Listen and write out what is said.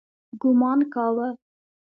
ګومان کاوه.